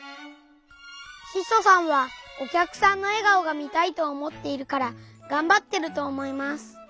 ししょさんはおきゃくさんのえがおが見たいと思っているからがんばってると思います。